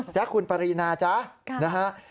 จ๊ะคุณปารินาจ๊ะนะฮะ